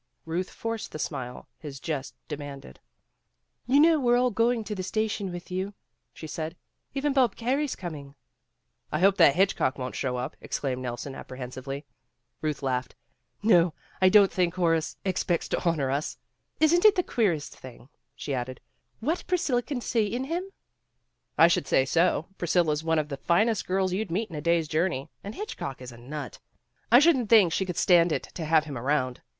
Ruth forced the smile his jest demanded. "You know we're all going to the station with you," she said. "Even Bob Carey's coming." "I hope that Hitchcock won't show up," ex claimed Nelson apprehensively. Ruth laughed. "No, I don't think Horace 174 PEGGY RAYMOND'S WAY expects to honor us. Isn't it the queerest thing," she added, "what Priscilla can see in him?" "I should say so. Priscilla 's one of the finest girls you'd meet in a day's journey, and Hitchcock is a nut. I shouldn 't think she could stand it to have him around.